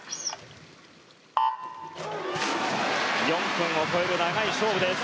４分を超える長い勝負です。